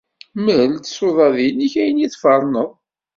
Mel-d s uḍad-nnek ayen ay tferneḍ.